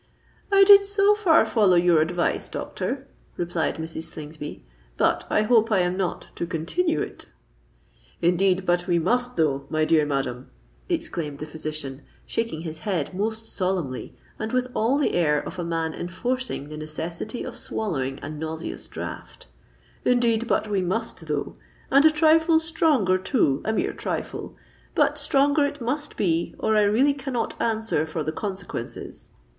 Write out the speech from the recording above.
"I did so far follow your advice, doctor," replied Mrs. Slingsby; "but I hope I am not to continue it?" "Indeed but we must though, my dear madam," exclaimed the physician, shaking his head most solemnly and with all the air of a man enforcing the necessity of swallowing a nauseous draught:—"indeed but we must though,—and a trifle stronger, too—a mere trifle;—but stronger it must be, or I really cannot answer for the consequences."